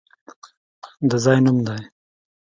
د ځای نوم دی!